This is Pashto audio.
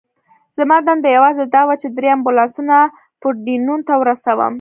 زما دنده یوازې دا وه، چې درې امبولانسونه پورډینون ته ورسوم.